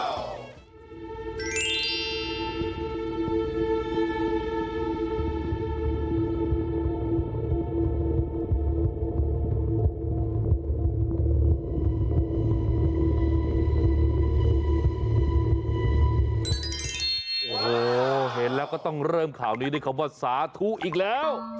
โอ้โหเห็นแล้วก็ต้องเริ่มข่าวนี้ด้วยคำว่าสาธุอีกแล้ว